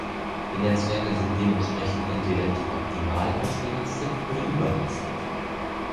Die Netzwerke sind dementsprechend entweder nicht optimal ausgelastet oder überlastet.